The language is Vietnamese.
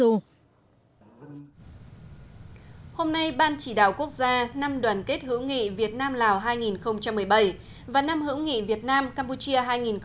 hôm nay ban chỉ đạo quốc gia năm đoàn kết hữu nghị việt nam lào hai nghìn một mươi bảy và năm hữu nghị việt nam campuchia hai nghìn một mươi tám